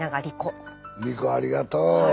梨心ありがとう。